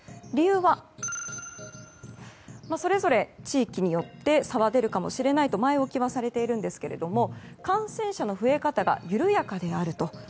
理由は、それぞれ地域によって差は出るかもしれないと前置きはされていますが感染者の増え方が緩やかであると。